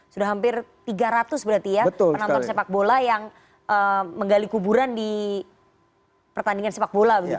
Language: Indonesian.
sudah hampir tiga ratus berarti ya penonton sepak bola yang menggali kuburan di pertandingan sepak bola begitu